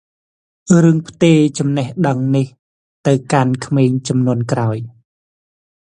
រឿងផ្ទេរចំណេះដឹងនេះទៅកាន់ក្មេងជំនាន់ក្រោយ។